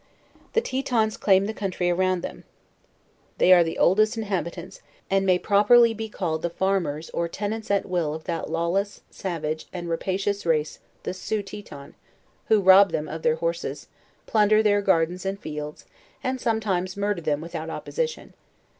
The Tetons claim the country around them They are the oldest inhabitants, and may properly be called the farmers or tenants at will of that lawless, savage and ra pacioas race the Sioux Teton, who rob them of their horses, plunder their gardens and fields, and sometin.es murder them without opposition.